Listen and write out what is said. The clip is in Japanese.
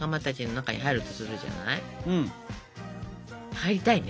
入りたいね